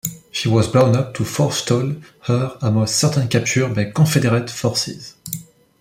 She was blown up to forestall her almost certain capture by Confederate forces.